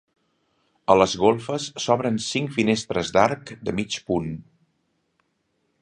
A les golfes s'obren cinc finestres d'arc de mig punt.